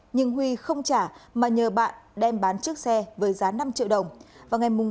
nhưng huy không trả mà nhờ bạn đem bán chiếc xe với giá năm triệu đồng